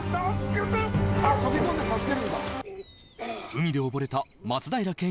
海で溺れた松平健